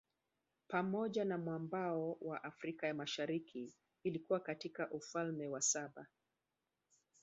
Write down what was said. Pamoja na mwambao wa Afrika ya Mashariki vilikuwa katika Ufalme wa saba